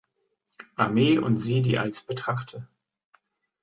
Armee und sie die als betrachte.